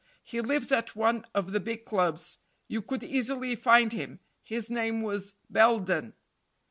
He lives at one of the big clubs. You could easily find him. His name was Belden."